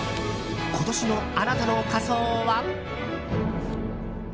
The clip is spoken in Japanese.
今年のあなたの仮装は？